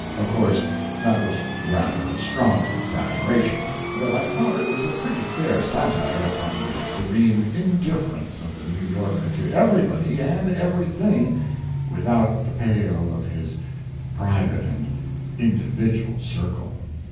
Of course that was rather a strong exaggeration, but I thought it was a pretty fair satire upon the serene indifference of the New Yorker to everybody and everything without the pale of his private and individual circle.